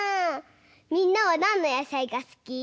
みんなはなんのやさいがすき？